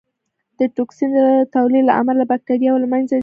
د ټوکسین د تولید له امله بکټریاوې له منځه ځي.